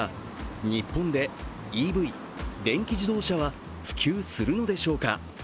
日本で、ＥＶ＝電気自動車は普及するのでしょうか。